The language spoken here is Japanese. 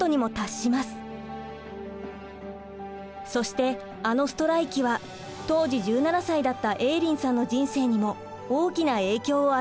そしてあのストライキは当時１７歳だったエーリンさんの人生にも大きな影響を与えました。